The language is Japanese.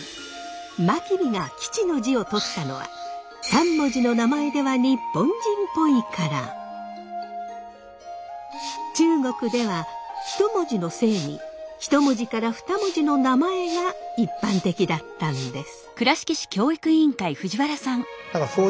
真備が「吉」の字を取ったのは中国では１文字の姓に１文字から２文字の名前が一般的だったんです。